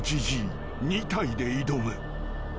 ２体で挑む］